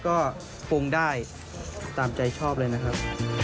ก็ปรุงได้ตามใจชอบเลยนะครับ